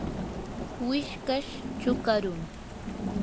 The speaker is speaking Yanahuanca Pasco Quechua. wishkash chukarum.